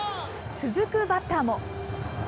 続くバッターも。